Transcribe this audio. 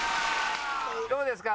どうですか？